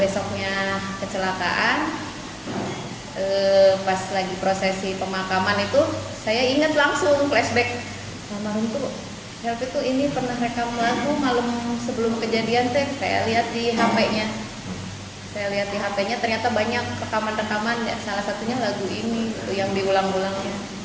saya lihat di hp nya ternyata banyak rekaman rekaman salah satunya lagu ini yang diulang ulang